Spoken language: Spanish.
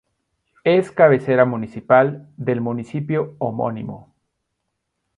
Es cabecera municipal del municipio homónimo.